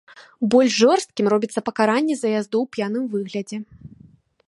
Больш жорсткім робіцца пакаранне за язду ў п'яным выглядзе.